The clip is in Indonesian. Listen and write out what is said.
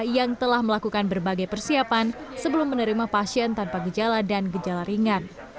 yang telah melakukan berbagai persiapan sebelum menerima pasien tanpa gejala dan gejala ringan